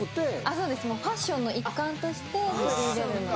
そうです、ファッションの一環として取り入れるんです。